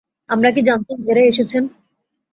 আমরা কি জানতুম এঁরা এসেছেন?